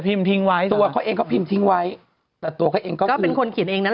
ทิ้งไว้ตัวเขาเองก็พิมพ์ทิ้งไว้แต่ตัวเขาเองก็เป็นคนเขียนเองนั้น